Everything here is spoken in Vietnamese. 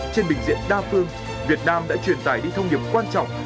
trên bình diện đa phương việt nam đã truyền tải đi thông điệp quan trọng